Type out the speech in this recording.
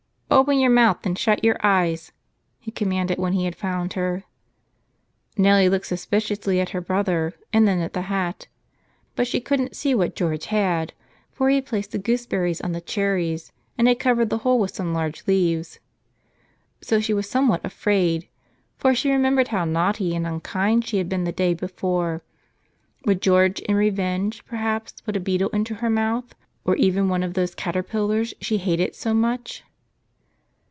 "Open your mouth and shut your eyes," he com¬ manded, when he had found her. Nellie looked sus¬ piciously at her brother and then at the hat. But she couldn't see what George had; for he had placed the gooseberries on the cherries and had covered the whole with some large leaves. So she was somewhat afraid ; for she remembered how naughty and unkind she had been the day before. Would George, in revenge, per¬ haps put a beetle into her mouth or even one of those caterpillars she hated so much?